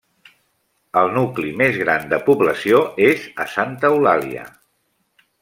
El nucli més gran de població és a Santa Eulàlia.